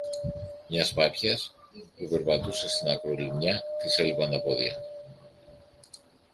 Μιας πάπιας που περπατούσε στην ακρολιμνιά της έλειπαν τα πόδια